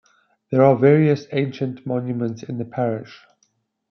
There are various ancient monuments in the parish.